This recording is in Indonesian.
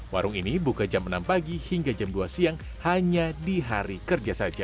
warung ini buka jam enam pagi hingga jam dua siang hanya di hari kerja saja